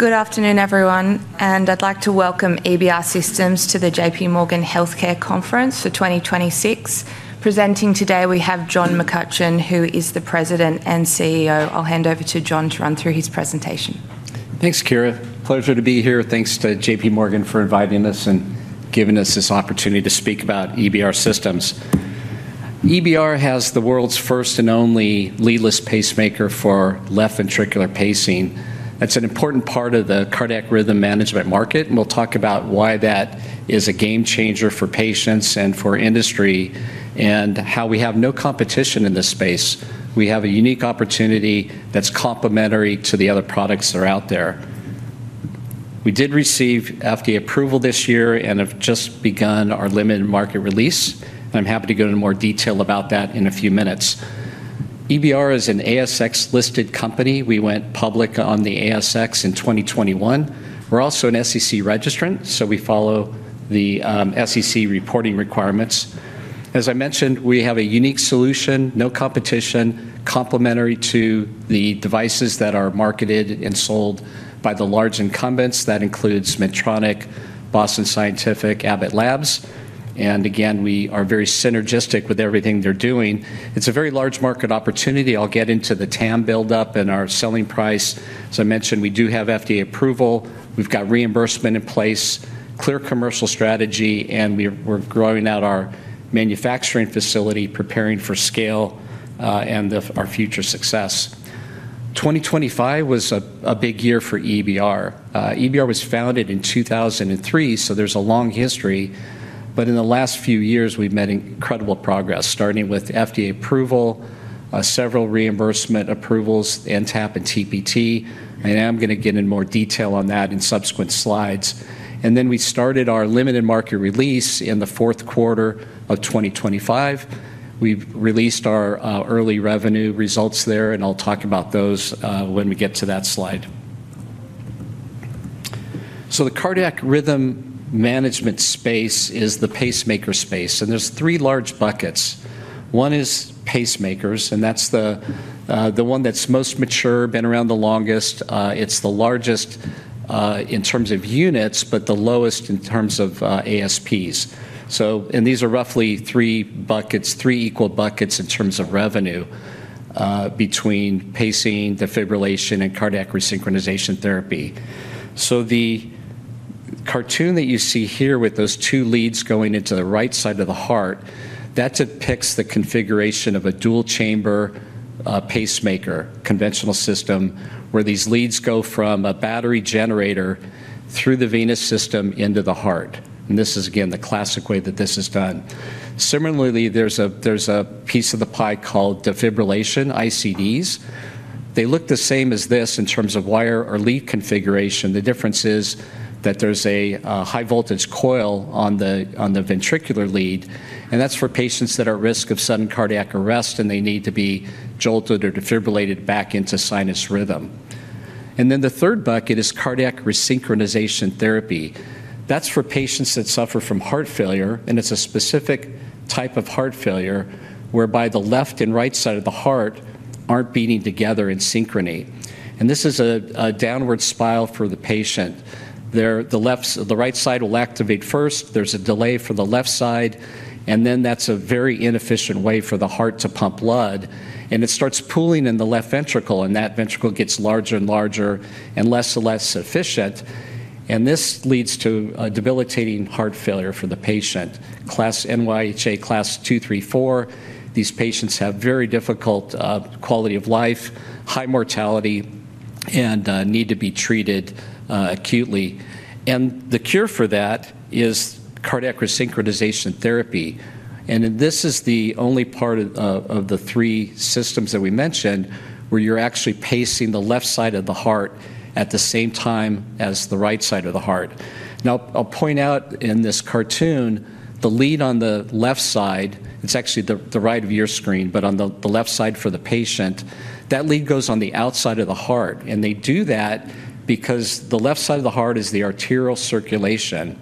Good afternoon, everyone, and I'd like to welcome EBR Systems to the J.P. Morgan Healthcare Conference for 2026. Presenting today, we have John McCutcheon, who is the President and CEO. I'll hand over to John to run through his presentation. Thanks, Kira. Pleasure to be here. Thanks to J.P. Morgan for inviting us and giving us this opportunity to speak about EBR Systems. EBR has the world's first and only leadless pacemaker for left ventricular pacing. That's an important part of the cardiac rhythm management market, and we'll talk about why that is a game changer for patients and for industry, and how we have no competition in this space. We have a unique opportunity that's complementary to the other products that are out there. We did receive FDA approval this year and have just begun our limited market release, and I'm happy to go into more detail about that in a few minutes. EBR is an ASX-listed company. We went public on the ASX in 2021. We're also an SEC registrant, so we follow the SEC reporting requirements. As I mentioned, we have a unique solution, no competition, complementary to the devices that are marketed and sold by the large incumbents. That includes Medtronic, Boston Scientific, Abbott Labs, and again, we are very synergistic with everything they're doing. It's a very large market opportunity. I'll get into the TAM buildup and our selling price. As I mentioned, we do have FDA approval. We've got reimbursement in place, clear commercial strategy, and we're growing out our manufacturing facility, preparing for scale and our future success. 2025 was a big year for EBR. EBR was founded in 2003, so there's a long history, but in the last few years, we've made incredible progress, starting with FDA approval, several reimbursement approvals, NTAP, and TPT. I am going to get into more detail on that in subsequent slides, and then we started our limited market release in the fourth quarter of 2025. We released our early revenue results there, and I'll talk about those when we get to that slide. So the cardiac rhythm management space is the pacemaker space, and there's three large buckets. One is pacemakers, and that's the one that's most mature, been around the longest. It's the largest in terms of units, but the lowest in terms of ASPs. So, and these are roughly three buckets, three equal buckets in terms of revenue between pacing, defibrillation, and cardiac resynchronization therapy. So the cartoon that you see here with those two leads going into the right side of the heart, that depicts the configuration of a dual-chamber pacemaker conventional system, where these leads go from a battery generator through the venous system into the heart. And this is, again, the classic way that this is done. Similarly, there's a piece of the pie called defibrillation ICDs. They look the same as this in terms of wire or lead configuration. The difference is that there's a high-voltage coil on the ventricular lead, and that's for patients that are at risk of sudden cardiac arrest, and they need to be jolted or defibrillated back into sinus rhythm, and then the third bucket is cardiac resynchronization therapy. That's for patients that suffer from heart failure, and it's a specific type of heart failure whereby the left and right side of the heart aren't beating together in synchrony, and this is a downward spiral for the patient. The right side will activate first. There's a delay for the left side, and then that's a very inefficient way for the heart to pump blood, and it starts pooling in the left ventricle, and that ventricle gets larger and larger and less and less efficient. This leads to debilitating heart failure for the patient. NYHA Class 2, 3, 4, these patients have very difficult quality of life, high mortality, and need to be treated acutely. The cure for that is cardiac resynchronization therapy. This is the only part of the three systems that we mentioned where you're actually pacing the left side of the heart at the same time as the right side of the heart. Now, I'll point out in this cartoon, the lead on the left side, it's actually the right of your screen, but on the left side for the patient, that lead goes on the outside of the heart. They do that because the left side of the heart is the arterial circulation,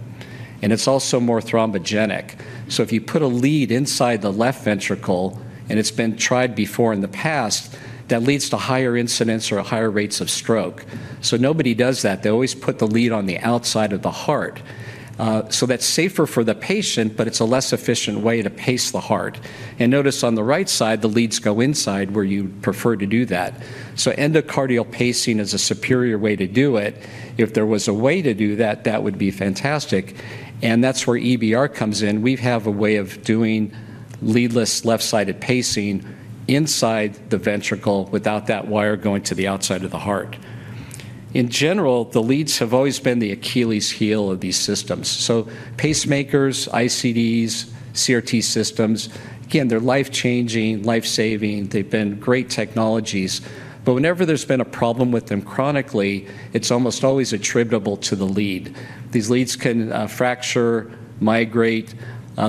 and it's also more thrombogenic. So if you put a lead inside the left ventricle, and it's been tried before in the past, that leads to higher incidence or higher rates of stroke. So nobody does that. They always put the lead on the outside of the heart. So that's safer for the patient, but it's a less efficient way to pace the heart. And notice on the right side, the leads go inside where you prefer to do that. So endocardial pacing is a superior way to do it. If there was a way to do that, that would be fantastic. And that's where EBR comes in. We have a way of doing leadless left-sided pacing inside the ventricle without that wire going to the outside of the heart. In general, the leads have always been the Achilles heel of these systems. So pacemakers, ICDs, CRT systems, again, they're life-changing, life-saving. They've been great technologies, but whenever there's been a problem with them chronically, it's almost always attributable to the lead. These leads can fracture, migrate,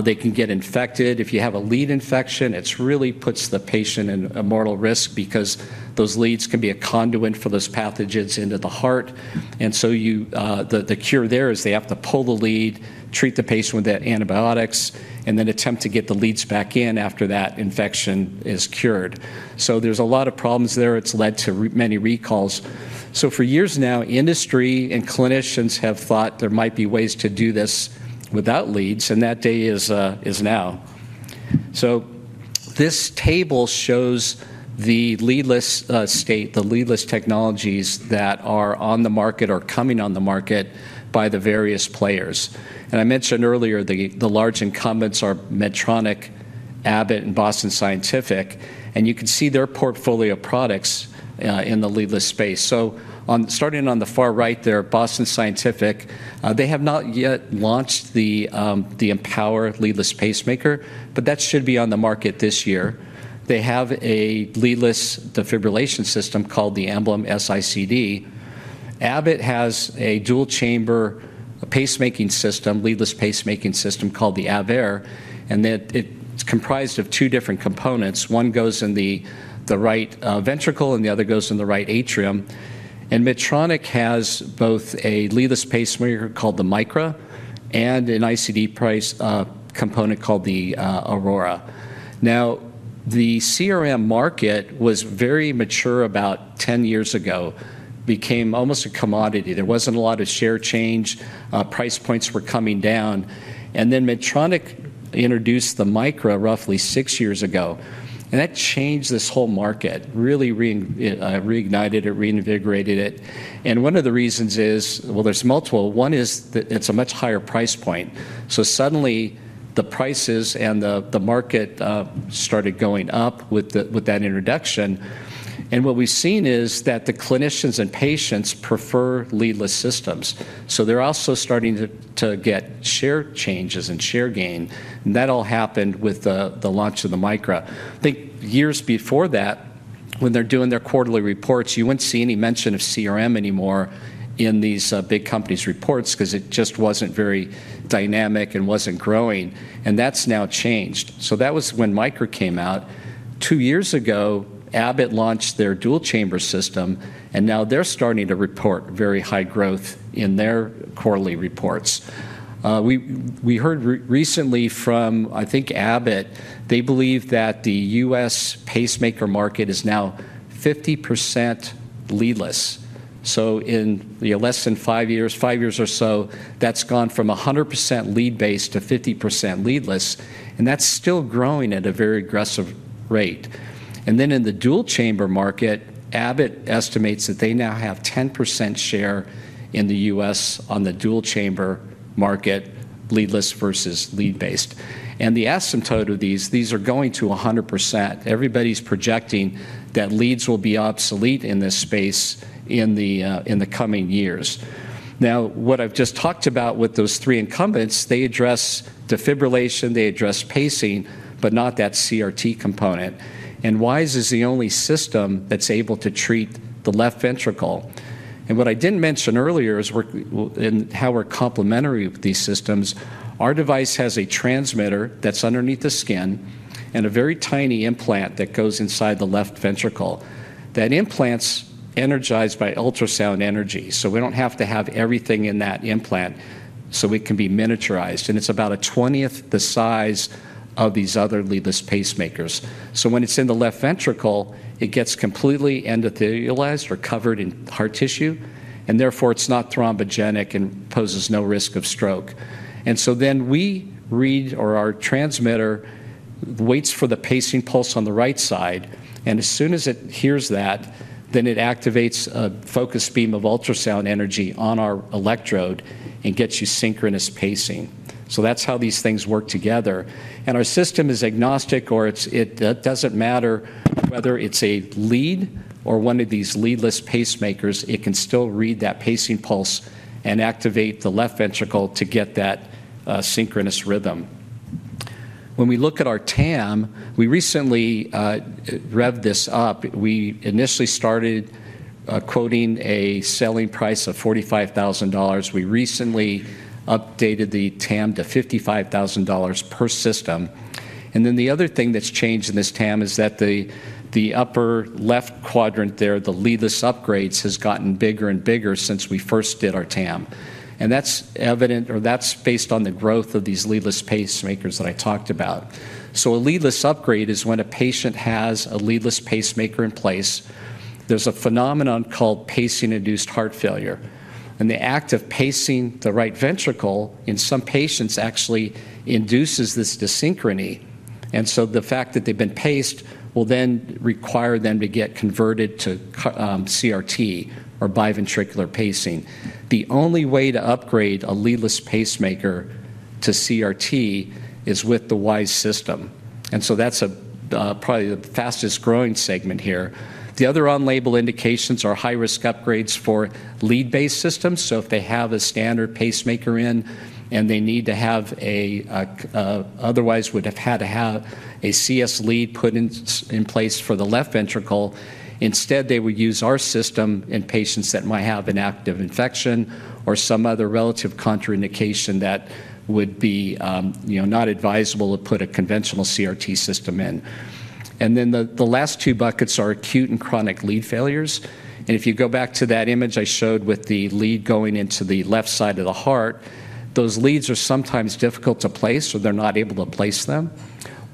they can get infected. If you have a lead infection, it really puts the patient at mortal risk because those leads can be a conduit for those pathogens into the heart, and so the cure there is they have to pull the lead, treat the patient with antibiotics, and then attempt to get the leads back in after that infection is cured, so there's a lot of problems there. It's led to many recalls, so for years now, industry and clinicians have thought there might be ways to do this without leads, and that day is now, so this table shows the leadless state, the leadless technologies that are on the market or coming on the market by the various players. I mentioned earlier, the large incumbents are Medtronic, Abbott, and Boston Scientific, and you can see their portfolio products in the leadless space. So starting on the far right there, Boston Scientific, they have not yet launched the Empower leadless pacemaker, but that should be on the market this year. They have a leadless defibrillator system called the Emblem S-ICD. Abbott has a dual-chamber pacemaker system, leadless pacemaker system called the Aveir, and it's comprised of two different components. One goes in the right ventricle and the other goes in the right atrium. And Medtronic has both a leadless pacemaker called the Micra and an ICD-like component called the Aurora. Now, the CRM market was very mature about 10 years ago, became almost a commodity. There wasn't a lot of share change. Price points were coming down. And then Medtronic introduced the Micra roughly six years ago, and that changed this whole market, really reignited it, reinvigorated it. And one of the reasons is, well, there's multiple. One is that it's a much higher price point. So suddenly, the prices and the market started going up with that introduction. And what we've seen is that the clinicians and patients prefer leadless systems. So they're also starting to get share changes and share gain. And that all happened with the launch of the Micra. I think years before that, when they're doing their quarterly reports, you wouldn't see any mention of CRM anymore in these big companies' reports because it just wasn't very dynamic and wasn't growing. And that's now changed. So that was when Micra came out. Two years ago, Abbott launched their dual-chamber system, and now they're starting to report very high growth in their quarterly reports. We heard recently from, I think, Abbott. They believe that the U.S. pacemaker market is now 50% leadless. So in less than five years, five years or so, that's gone from 100% lead-based to 50% leadless, and that's still growing at a very aggressive rate. And then in the dual-chamber market, Abbott estimates that they now have 10% share in the U.S. on the dual-chamber market, leadless versus lead-based. And the asymptote of these, these are going to 100%. Everybody's projecting that leads will be obsolete in this space in the coming years. Now, what I've just talked about with those three incumbents, they address defibrillation, they address pacing, but not that CRT component. And WiSE is the only system that's able to treat the left ventricle. What I didn't mention earlier is how we're complementary with these systems. Our device has a transmitter that's underneath the skin and a very tiny implant that goes inside the left ventricle. That implant's energized by ultrasound energy, so we don't have to have everything in that implant, so it can be miniaturized. And it's about a 20th the size of these other leadless pacemakers. So when it's in the left ventricle, it gets completely endothelialized or covered in heart tissue, and therefore it's not thrombogenic and poses no risk of stroke. And so then we read, or our transmitter waits for the pacing pulse on the right side, and as soon as it hears that, then it activates a focus beam of ultrasound energy on our electrode and gets you synchronous pacing. So that's how these things work together. And our system is agnostic, or it doesn't matter whether it's a lead or one of these leadless pacemakers. It can still read that pacing pulse and activate the left ventricle to get that synchronous rhythm. When we look at our TAM, we recently revved this up. We initially started quoting a selling price of $45,000. We recently updated the TAM to $55,000 per system. And then the other thing that's changed in this TAM is that the upper left quadrant there, the leadless upgrades, has gotten bigger and bigger since we first did our TAM. And that's evident, or that's based on the growth of these leadless pacemakers that I talked about. So a leadless upgrade is when a patient has a leadless pacemaker in place. There's a phenomenon called pacing-induced heart failure. And the act of pacing the right ventricle in some patients actually induces this desynchrony. And so the fact that they've been paced will then require them to get converted to CRT or biventricular pacing. The only way to upgrade a leadless pacemaker to CRT is with the WISE system. And so that's probably the fastest growing segment here. The other on-label indications are high-risk upgrades for lead-based systems. So if they have a standard pacemaker in and they need to have a, otherwise would have had to have a CS lead put in place for the left ventricle, instead they would use our system in patients that might have an active infection or some other relative contraindication that would be not advisable to put a conventional CRT system in. And then the last two buckets are acute and chronic lead failures. If you go back to that image I showed with the lead going into the left side of the heart, those leads are sometimes difficult to place, or they're not able to place them.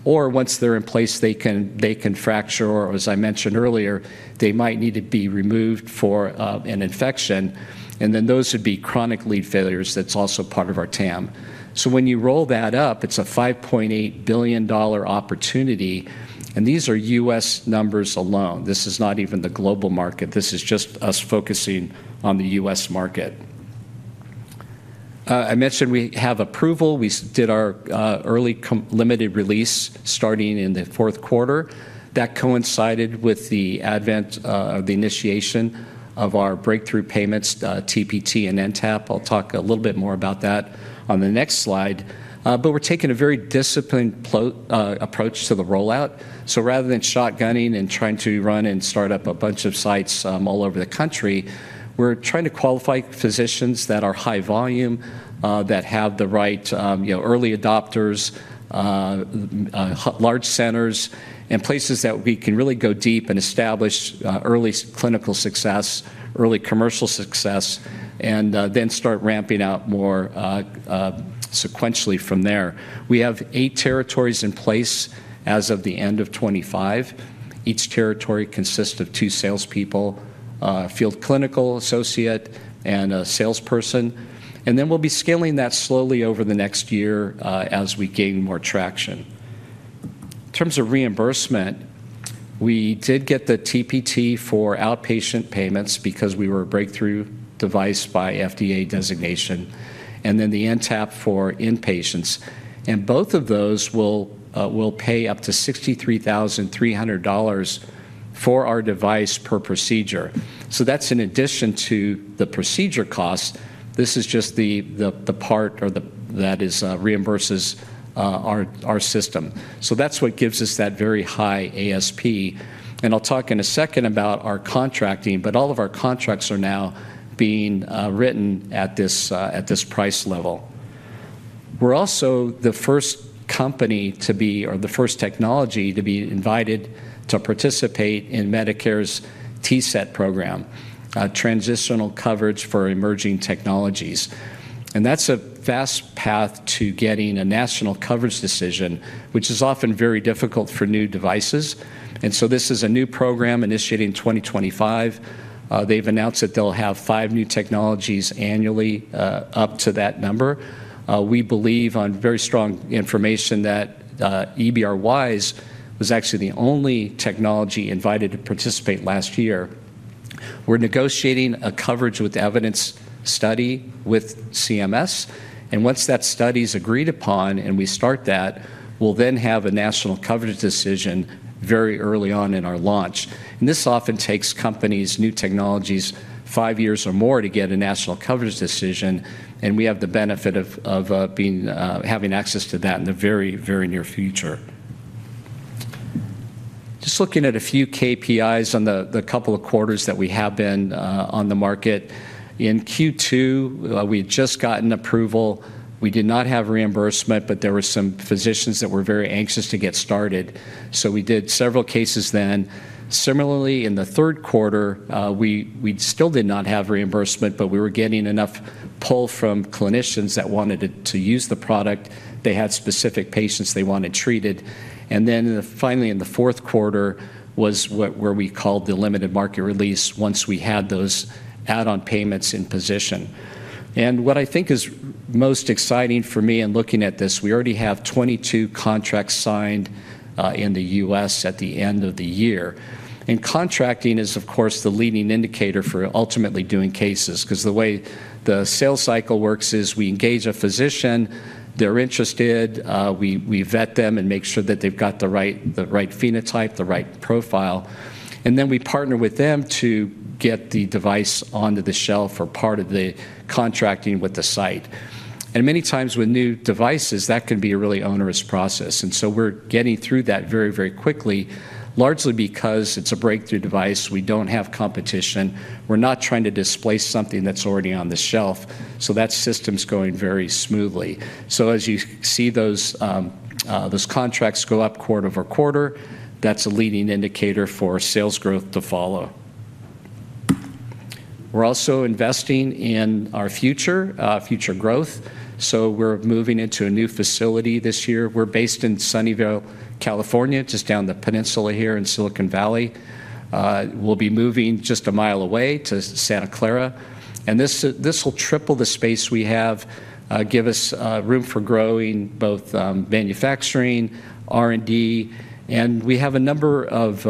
Or once they're in place, they can fracture, or as I mentioned earlier, they might need to be removed for an infection. And then those would be chronic lead failures that's also part of our TAM. So when you roll that up, it's a $5.8 billion opportunity. And these are U.S. numbers alone. This is not even the global market. This is just us focusing on the U.S. market. I mentioned we have approval. We did our early limited release starting in the fourth quarter. That coincided with the advent, the initiation of our breakthrough payments, TPT and NTAP. I'll talk a little bit more about that on the next slide. But we're taking a very disciplined approach to the rollout. So rather than shotgunning and trying to run and start up a bunch of sites all over the country, we're trying to qualify physicians that are high volume, that have the right early adopters, large centers, and places that we can really go deep and establish early clinical success, early commercial success, and then start ramping out more sequentially from there. We have eight territories in place as of the end of 2025. Each territory consists of two salespeople, a field clinical associate, and a salesperson. And then we'll be scaling that slowly over the next year as we gain more traction. In terms of reimbursement, we did get the TPT for outpatient payments because we were a breakthrough device by FDA designation, and then the NTAP for inpatients. Both of those will pay up to $63,300 for our device per procedure. So that's in addition to the procedure cost. This is just the part that reimburses our system. So that's what gives us that very high ASP. And I'll talk in a second about our contracting, but all of our contracts are now being written at this price level. We're also the first company to be, or the first technology to be invited to participate in Medicare's TCET program, Transitional Coverage for Emerging Technologies. And that's a fast path to getting a national coverage decision, which is often very difficult for new devices. And so this is a new program initiated in 2025. They've announced that they'll have five new technologies annually up to that number. We believe on very strong information that EBR WISE was actually the only technology invited to participate last year. We're negotiating a coverage with evidence study with CMS, and once that study is agreed upon and we start that, we'll then have a national coverage decision very early on in our launch, and this often takes companies, new technologies, five years or more to get a national coverage decision, and we have the benefit of having access to that in the very, very near future. Just looking at a few KPIs on the couple of quarters that we have been on the market. In Q2, we had just gotten approval. We did not have reimbursement, but there were some physicians that were very anxious to get started. So we did several cases then. Similarly, in the third quarter, we still did not have reimbursement, but we were getting enough pull from clinicians that wanted to use the product. They had specific patients they wanted treated. And then finally, in the fourth quarter, was where we called the limited market release once we had those add-on payments in position. And what I think is most exciting for me in looking at this, we already have 22 contracts signed in the U.S. at the end of the year. And contracting is, of course, the leading indicator for ultimately doing cases because the way the sales cycle works is we engage a physician, they're interested, we vet them and make sure that they've got the right phenotype, the right profile. And then we partner with them to get the device onto the shelf or part of the contracting with the site. And many times with new devices, that can be a really onerous process. And so we're getting through that very, very quickly, largely because it's a breakthrough device. We don't have competition. We're not trying to displace something that's already on the shelf, so that system's going very smoothly, so as you see those contracts go up quarter over quarter, that's a leading indicator for sales growth to follow. We're also investing in our future, future growth, so we're moving into a new facility this year. We're based in Sunnyvale, California, just down the peninsula here in Silicon Valley. We'll be moving just a mile away to Santa Clara, and this will triple the space we have, give us room for growing both manufacturing, R&D, and we have a number of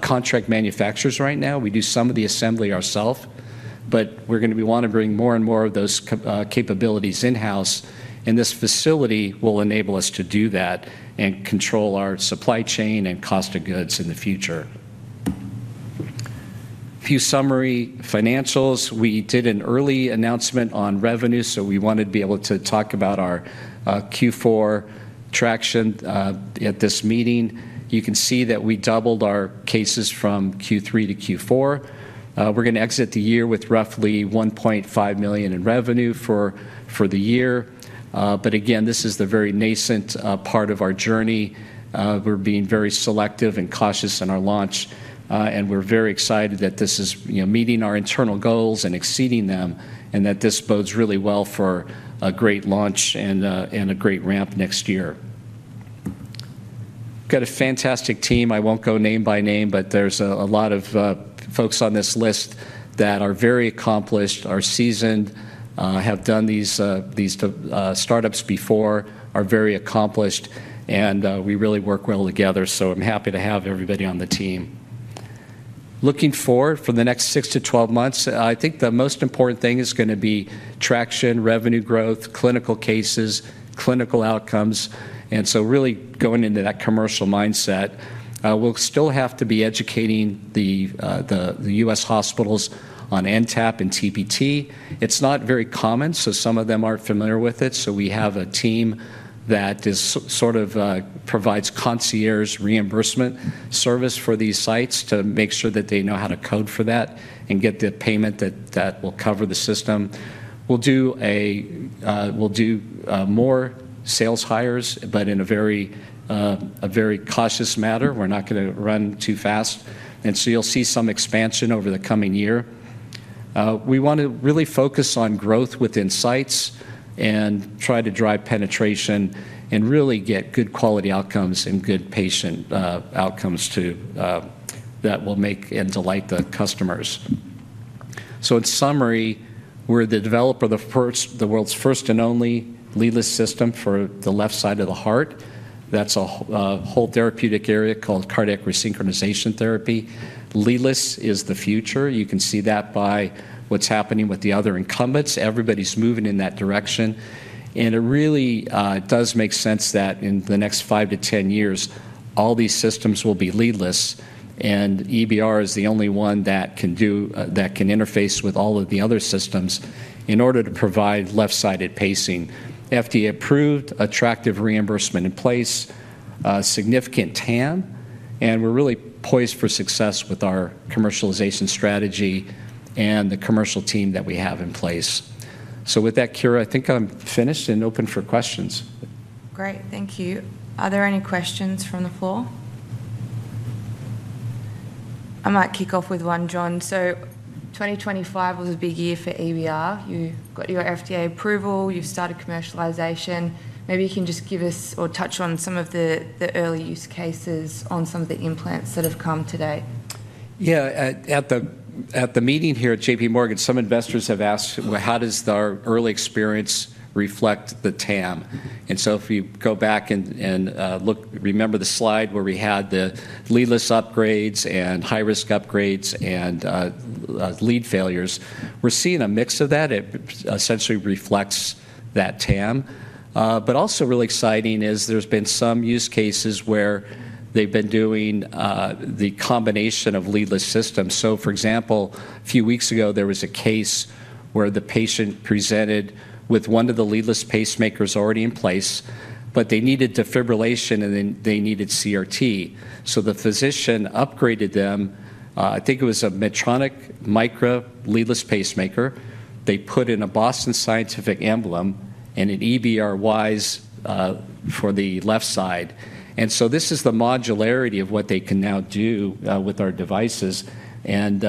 contract manufacturers right now. We do some of the assembly ourselves, but we're going to be wanting to bring more and more of those capabilities in-house, and this facility will enable us to do that and control our supply chain and cost of goods in the future. Few summary financials. We did an early announcement on revenue, so we wanted to be able to talk about our Q4 traction at this meeting. You can see that we doubled our cases from Q3 to Q4. We're going to exit the year with roughly $1.5 million in revenue for the year. But again, this is the very nascent part of our journey. We're being very selective and cautious in our launch. And we're very excited that this is meeting our internal goals and exceeding them, and that this bodes really well for a great launch and a great ramp next year. Got a fantastic team. I won't go name by name, but there's a lot of folks on this list that are very accomplished, are seasoned, have done these startups before, are very accomplished, and we really work well together. So I'm happy to have everybody on the team. Looking forward for the next six to 12 months, I think the most important thing is going to be traction, revenue growth, clinical cases, clinical outcomes, and so really going into that commercial mindset, we'll still have to be educating the U.S. hospitals on NTAP and TPT. It's not very common, so some of them aren't familiar with it. So we have a team that sort of provides concierge reimbursement service for these sites to make sure that they know how to code for that and get the payment that will cover the system. We'll do more sales hires, but in a very cautious manner. We're not going to run too fast, and so you'll see some expansion over the coming year. We want to really focus on growth within sites and try to drive penetration and really get good quality outcomes and good patient outcomes that will make and delight the customers. So in summary, we're the developer of the world's first and only leadless system for the left side of the heart. That's a whole therapeutic area called cardiac resynchronization therapy. Leadless is the future. You can see that by what's happening with the other incumbents. Everybody's moving in that direction. And it really does make sense that in the next five to 10 years, all these systems will be leadless. And EBR is the only one that can interface with all of the other systems in order to provide left-sided pacing. FDA approved, attractive reimbursement in place, significant TAM. And we're really poised for success with our commercialization strategy and the commercial team that we have in place. So with that, Kira, I think I'm finished and open for questions. Great. Thank you. Are there any questions from the floor? I might kick off with one, John. So 2025 was a big year for EBR. You got your FDA approval. You've started commercialization. Maybe you can just give us or touch on some of the early use cases on some of the implants that have come to date. Yeah. At the meeting here at J.P. Morgan, some investors have asked, well, how does our early experience reflect the TAM? And so if you go back and remember the slide where we had the leadless upgrades and high-risk upgrades and lead failures, we're seeing a mix of that. It essentially reflects that TAM. But also really exciting is there's been some use cases where they've been doing the combination of leadless systems. So for example, a few weeks ago, there was a case where the patient presented with one of the leadless pacemakers already in place, but they needed defibrillation and they needed CRT. So the physician upgraded them. I think it was a Medtronic Micra leadless pacemaker. They put in a Boston Scientific Emblem and an EBR WISE for the left side. And so this is the modularity of what they can now do with our devices and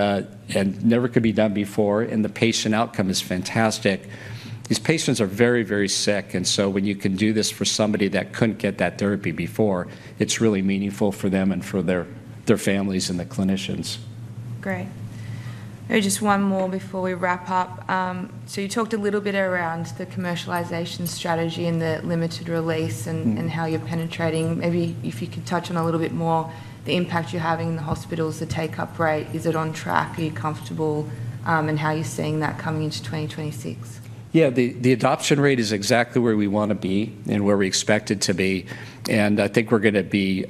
never could be done before. And the patient outcome is fantastic. These patients are very, very sick. And so when you can do this for somebody that couldn't get that therapy before, it's really meaningful for them and for their families and the clinicians. Great. Just one more before we wrap up. So you talked a little bit around the commercialization strategy and the limited release and how you're penetrating. Maybe if you could touch on a little bit more the impact you're having in the hospitals, the take-up rate. Is it on track? Are you comfortable? And how are you seeing that coming into 2026? Yeah. The adoption rate is exactly where we want to be and where we expect it to be, and I think we're going to be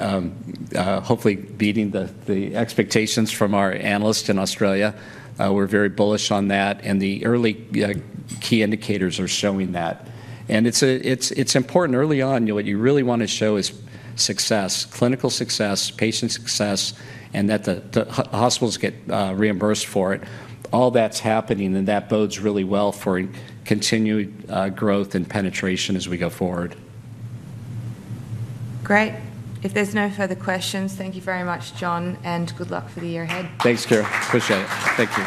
hopefully beating the expectations from our analysts in Australia. We're very bullish on that, and the early key indicators are showing that, and it's important early on. What you really want to show is success, clinical success, patient success, and that the hospitals get reimbursed for it. All that's happening and that bodes really well for continued growth and penetration as we go forward. Great. If there's no further questions, thank you very much, John, and good luck for the year ahead. Thanks, Kira. Appreciate it. Thank you.